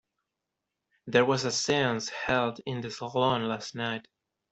There was a seance held in the salon last night.